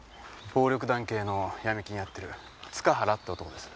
暴力団系のヤミ金やってる塚原って男です。